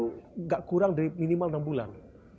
dan itu nggak kurang dari minimal enam bulan